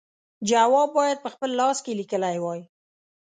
جواب باید په خپل لاس لیکلی وای.